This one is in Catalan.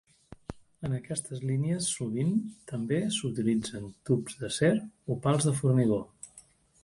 En aquestes línies sovint també s'utilitzen tubs d'acer o pals de formigó.